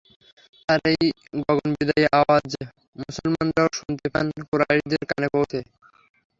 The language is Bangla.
তার এই গগনবিদারী আওয়াজ মুসলমানরাও শুনতে পান কুরাইশদেরও কানে পৌঁছে।